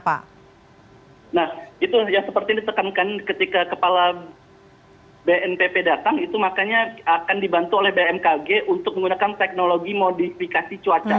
nah itu yang seperti ditekankan ketika kepala bnpp datang itu makanya akan dibantu oleh bmkg untuk menggunakan teknologi modifikasi cuaca